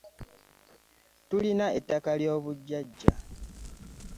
Tulina ettaka ly'obujjajja.